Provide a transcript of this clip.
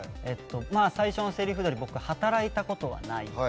最初のせりふどおり、僕は働いたことはない。